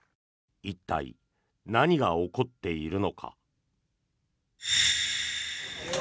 一体、何が起こっているのか。